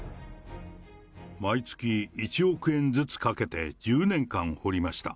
毎月１億円ずつかけて１０年間掘りました。